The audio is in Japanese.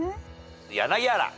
柳原。